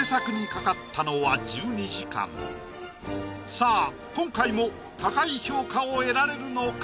さあ今回も高い評価を得られるのか？